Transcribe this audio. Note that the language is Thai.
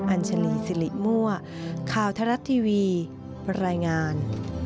อัญชลีสิริมั่วข่าวทรัฐทีวีรายงาน